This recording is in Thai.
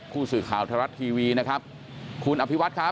เหลือเพียงกลุ่มเจ้าหน้าที่ตอนนี้ได้ทำการแตกกลุ่มออกมาแล้วนะครับ